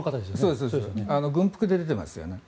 軍服で出てますよね。